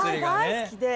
大好きで。